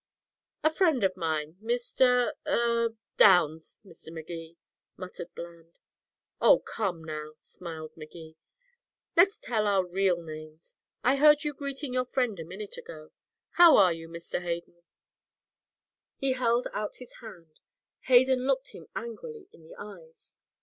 "A friend of mine Mr. er Downs, Mr. Magee," muttered Bland. "Oh, come now," smiled Magee. "Let's tell our real names. I heard you greeting your friend a minute ago. How are you, Mr. Hayden?" He held out his hand. Hayden looked him angrily in the eyes.